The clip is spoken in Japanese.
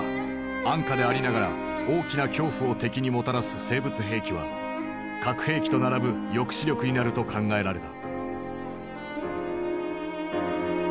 安価でありながら大きな恐怖を敵にもたらす生物兵器は核兵器と並ぶ抑止力になると考えられた。